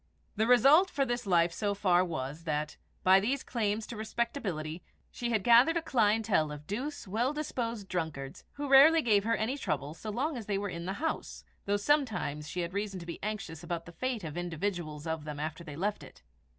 The result for this life so far was, that, by these claims to respectability, she had gathered a clientèle of douce, well disposed drunkards, who rarely gave her any trouble so long as they were in the house, though sometimes she had reason to be anxious about the fate of individuals of them after they left it.